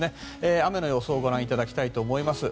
雨の予想をご覧いただきたいと思います。